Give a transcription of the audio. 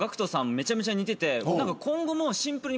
めちゃめちゃ似てて。